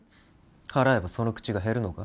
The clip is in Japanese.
払えばその口が減るのか？